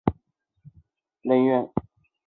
主要用于攻击装甲目标和人员。